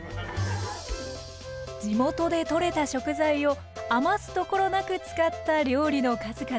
地元でとれた食材を余すところなく使った料理の数々。